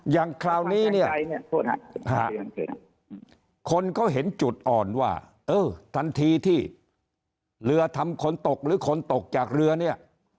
อย่างคราวนี้เนี่ยคนเขาเห็นจุดอ่อนว่าเออทันทีที่เรือทำคนตกหรือคนตกจากเรือเนี่ย